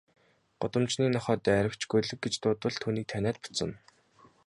Гудамжны нохой дайравч, гөлөг гэж дуудвал түүнийг таниад буцна.